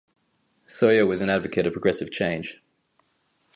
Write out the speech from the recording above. Sawyer was an advocate of progressive change.